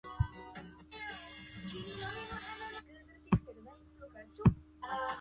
地政資料研究